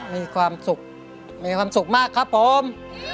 มีความสุขมีความสุขมากครับผม